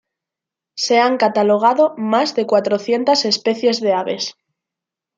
Se han catalogado más de cuatrocientas especies de aves.